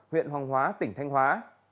huyện hoàng hóa tỉnh thanh hóa